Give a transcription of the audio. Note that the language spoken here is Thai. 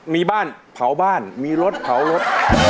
มีบ้านเผาบ้านมีรถเผารถ